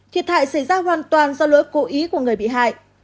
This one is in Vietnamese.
thiệt hại xảy ra hoàn toàn do lỗi cố ý của người bị hại